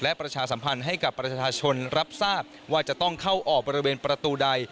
และประชาสัมพันธ์ให้กับประชาชนรับทราบว่าจะต้องเข้าออกบริเวณประตูใด